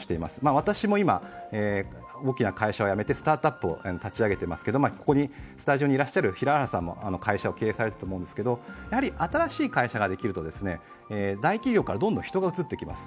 私も今、大きな会社を辞めてスタートアップを立ち上げていますがここにスタジオにいらっしゃる平原さんも会社を経営されていると思うんですけど、新しい会社ができると大企業からどんどん人が移ってきます。